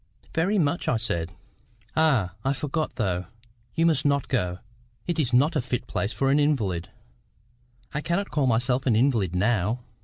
"Very much," I said. "Ah! I forgot, though. You must not go; it is not a fit place for an invalid." "I cannot call myself an invalid now."